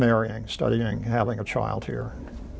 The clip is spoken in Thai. และพลังค์เช่นคุณไปกับคนอยู่ที่นี่